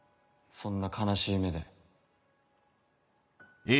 そんな悲しい目で。